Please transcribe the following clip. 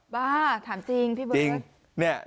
บ้าถามจริงพี่เบิร์ต